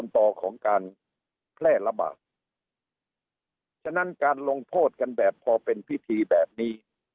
แพร่ระบาดฉะนั้นการลงโพธิกันแบบพอเป็นพิธีแบบนี้